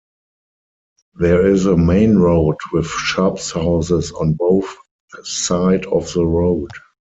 There is a main road with shops houses on both side of the road.